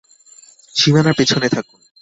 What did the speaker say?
সীমানার পেছনে থাকুন।